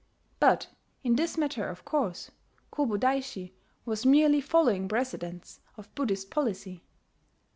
But in this matter, of course, Kobodaishi was merely following precedents of Buddhist policy.